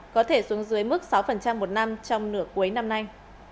có thể xuống dưới mức sáu một năm trong nửa cuối năm nay